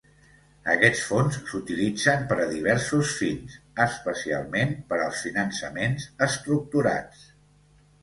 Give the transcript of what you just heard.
Aquests fons s'utilitzen per a diversos fins, especialment per als finançaments estructurats.